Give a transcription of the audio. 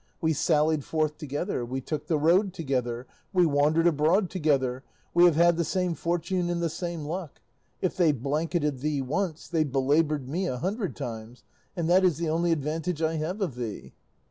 We sallied forth together, we took the road together, we wandered abroad together; we have had the same fortune and the same luck; if they blanketed thee once, they belaboured me a hundred times, and that is the only advantage I have of thee."